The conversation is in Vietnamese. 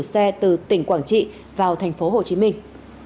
xe từ tỉnh quảng trị vào thành phố hồ chí minh